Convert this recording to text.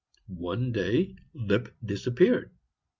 One day Lipp disappeared.